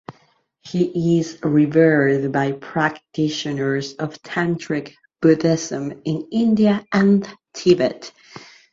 He is revered by practitioners of tantric Buddhism in India and Tibet.